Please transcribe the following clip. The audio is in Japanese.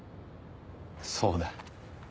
そうだ。